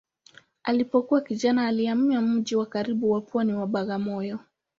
Alipokuwa kijana alihamia mji wa karibu wa pwani wa Bagamoyo.